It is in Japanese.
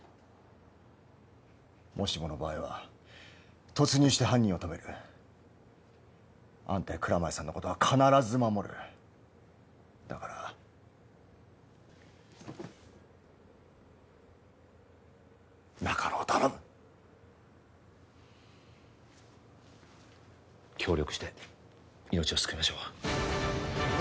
もしもの場合は突入して犯人を止めるあんたや蔵前さんのことは必ず守るだから中野を頼む協力して命を救いましょうＡ